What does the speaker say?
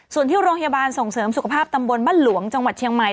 ส่วนที่โรงพยาบาลส่งเสริมสุขภาพตำบลบ้านหลวงจังหวัดเชียงใหม่